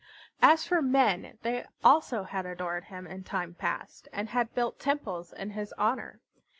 As for men, they also had adored him in time past, and had built temples in his honor.